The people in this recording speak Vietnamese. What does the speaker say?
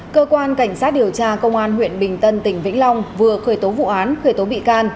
cơ quan cảnh sát điều tra công an huyện bình tân tỉnh vĩnh long vừa khởi tố vụ án khởi tố bị can